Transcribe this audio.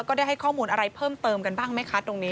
ได้ให้ข้อมูลอะไรเพิ่มเติมกันบ้างไหมคะตรงนี้